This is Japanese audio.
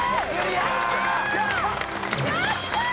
やったー！